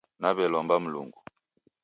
Naw'elomba Mlungu.